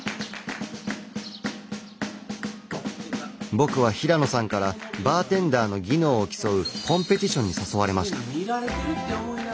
僕は平野さんからバーテンダーの技能を競うコンペティションに誘われました。